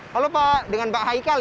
halo pak dengan pak haikal